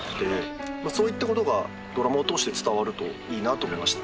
そういったことがドラマを通して伝わるといいなと思いました。